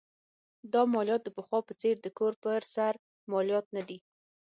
دا مالیات د پخوا په څېر د کور پر سر مالیات نه دي.